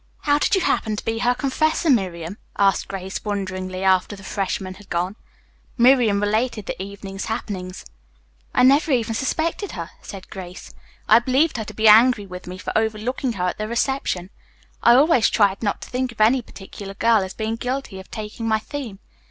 "How did you happen to be her confessor, Miriam?" asked Grace wonderingly, after the freshman had gone. Miriam related the evening's happenings. "I never even suspected her," said Grace. "I believed her to be angry with me for overlooking her at the reception. I always tried not to think of any particular girl as being guilty of taking my theme.